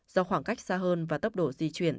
do khoảng cách xa hơn và tốc độ di chuyển